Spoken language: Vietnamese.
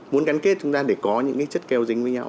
muốn gắn kết chúng ta để có những cái chất keo dính với nhau